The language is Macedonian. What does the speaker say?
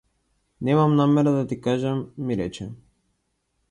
Немам намера да ти кажам ми рече.